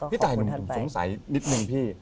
พี่ตายหนึ่งผมสงสัยนิดนึงพี่